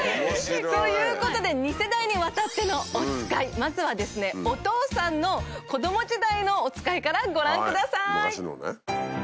面白い。ということで２世代にわたってのおつかいまずはお父さんの子供時代のおつかいからご覧ください！